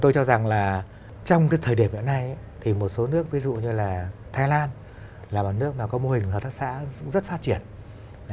tôi cho rằng là trong cái thời điểm hiện nay thì một số nước ví dụ như là thái lan là một nước mà có mô hình hợp tác xã cũng rất phát triển